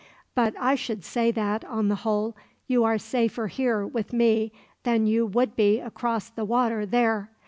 But I should say that, on the whole, you are safer here with me than you would be across the water there.